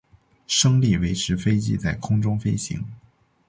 升力维持飞机在空中飞行。